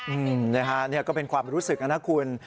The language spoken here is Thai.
อืมนะฮะนี่ก็เป็นความรู้สึกนะคุณ